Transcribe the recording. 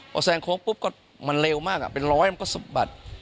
พอแซงโค้งปุ๊บก็มันเร็วมากเป็นร้อยมันก็สะบัด